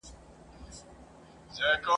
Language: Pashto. یا به وږی له قحطۍ وي یا یې کور وړی باران دی !.